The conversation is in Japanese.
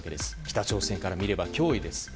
北朝鮮から見れば脅威です。